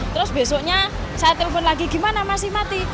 terus besoknya saya telepon lagi gimana masih mati